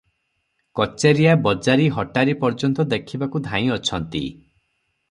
କଚେରିଆ, ବଜାରୀ ହଟାରୀ ପର୍ଯ୍ୟନ୍ତ ଦେଖିବାକୁ ଧାଇଁଅଛନ୍ତି ।